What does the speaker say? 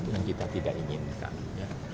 yang kita tidak inginkan